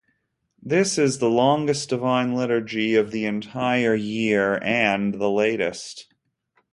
This is the longest Divine Liturgy of the entire year and the latest.